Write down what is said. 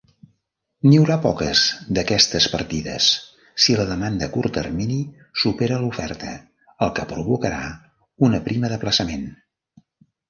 N'hi haurà poques d'aquestes partides si la demanda a curt termini supera l'oferta, el que provocarà una prima d'aplaçament.